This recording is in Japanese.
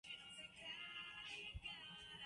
矛盾的自己同一的現在として自己自身を形成する世界から、